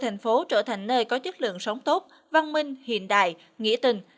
thành phố trở thành nơi có chất lượng sống tốt văn minh hiện đại nghĩa tình